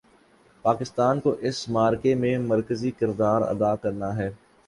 پاکستان کو اس معرکے میں مرکزی کردار ادا کرنا ہے۔